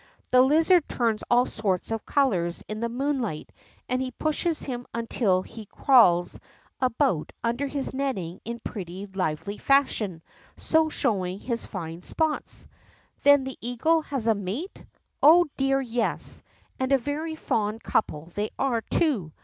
The lizard turns all sorts of colors in the moonlight, and he pushes him until he crawls THE EAGLE'S NEST 59 about under his netting in pretty lively fashion, so showing his fine spots/ ^ Then the eagle has a mate ?'^ Oh, dear, yes, and a very fond couple they are too.